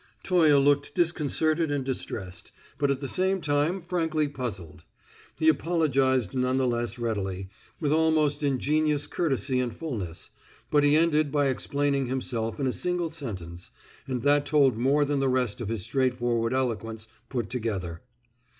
Toye looked disconcerted and distressed, but at the same time frankly puzzled. He apologized none the less readily, with almost ingenious courtesy and fulness, but he ended by explaining himself in a single sentence, and that told more than the rest of his straightforward eloquence put together.